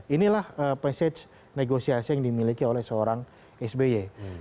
inilah passage negosiasi yang dimiliki oleh seorang sby